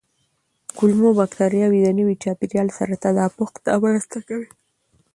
کولمو بکتریاوې د نوي چاپېریال سره تطابق ته مرسته کوي.